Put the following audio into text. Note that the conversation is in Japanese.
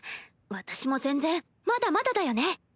私も全然まだまだだよね。